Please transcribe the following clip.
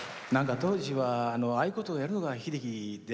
当時はああいうことをやるのが秀樹で。